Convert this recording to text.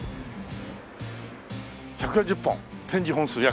１４０本展示本数約。